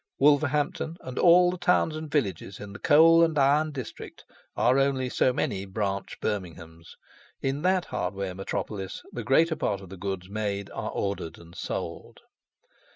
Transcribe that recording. Wolverhampton, and all the towns and villages in the coal and iron district, are only so many branch Birminghams; in that hardware metropolis the greater part of the goods made are ordered and sold.